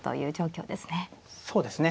そうですね。